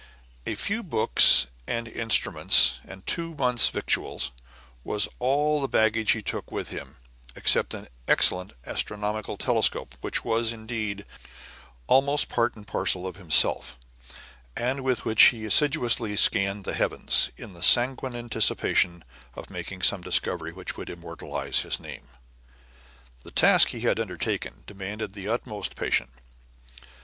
A few books and instruments, and two months' victuals, was all the baggage he took with him, except an excellent astronomical telescope, which was, indeed, almost part and parcel of himself, and with which he assiduously scanned the heavens, in the sanguine anticipation of making some discovery which would immortalize his name. The task he had undertaken demanded the utmost patience.